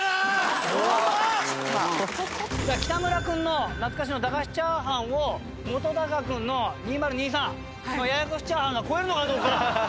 北村君の懐かしの駄菓子炒飯を本君の２０２３のややこし炒飯が超えるのかどうか！？